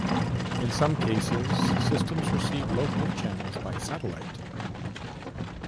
In some cases systems receive local channels by satellite.